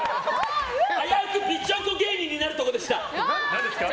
あやうく、びっちゃんこ芸人になるところでした！